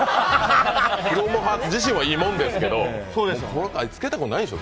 クロムハーツ自身はいいものですけど、つけたことないでしょ？